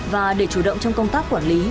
và để chủ động trong công tác quản lý